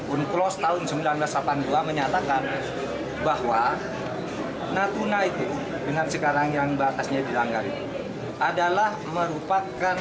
unclos tahun seribu sembilan ratus delapan puluh dua menyatakan bahwa natuna itu dengan sekarang yang batasnya dilanggar itu adalah merupakan